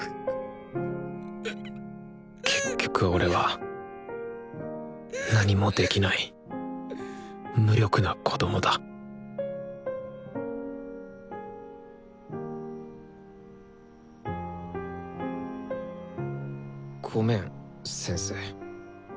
結局俺は何もできない無力な子供だごめん先生。